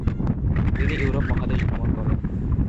তিনি ইউরোপ মহাদেশ ভ্রমণ করেন।